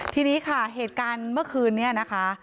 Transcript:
ทีนี้ค่ะเหตุการณ์เมื่อคืนนี้นะคะ